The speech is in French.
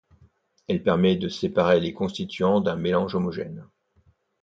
Elle permet de séparer les constituants d'un mélange homogène.